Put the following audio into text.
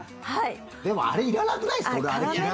でも、あれいらなくないですか？